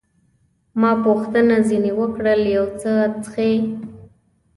ما پوښتنه ځیني وکړل، یو څه څښئ؟